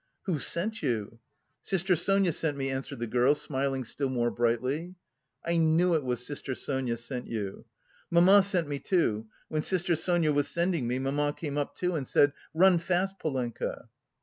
"Who sent you?" "Sister Sonia sent me," answered the girl, smiling still more brightly. "I knew it was sister Sonia sent you." "Mamma sent me, too... when sister Sonia was sending me, mamma came up, too, and said 'Run fast, Polenka.